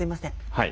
はい。